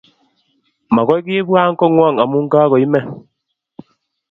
Makoy kipwan kong'wong' amun kakoimen.